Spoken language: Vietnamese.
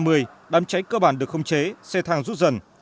tới một mươi tám h năm mươi đám cháy cơ bản được không chế xe thang rút dần